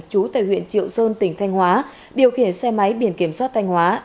chú tại huyện triệu sơn tỉnh thanh hóa điều khiển xe máy biển kiểm soát thanh hóa